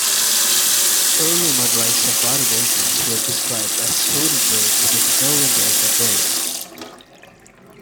Early motorized safari vehicles were described as shooting-brakes with no windows or doors.